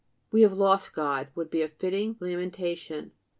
"We have lost God" would have been a fitting lamentation.